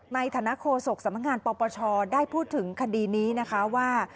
ในฐานะโฆษกสำนักงานปปชได้พูดถึงคดีนี้นะคะว่า